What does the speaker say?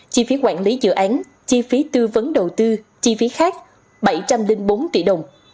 chi phí quản lý dự án chi phí tư vấn đầu tư chi phí khác bảy trăm linh bốn tỷ đồng